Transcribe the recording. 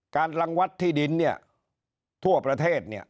รังวัดที่ดินเนี่ยทั่วประเทศเนี่ย